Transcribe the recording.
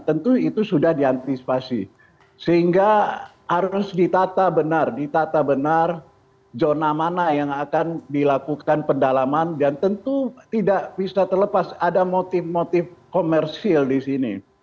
tentu itu sudah diantisipasi sehingga harus ditata benar ditata benar zona mana yang akan dilakukan pendalaman dan tentu tidak bisa terlepas ada motif motif komersil di sini